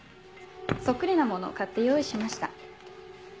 そっくりなものを買って用意しました。